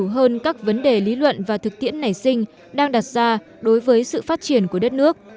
hơn các vấn đề lý luận và thực tiễn nảy sinh đang đặt ra đối với sự phát triển của đất nước